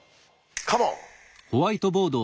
カモン！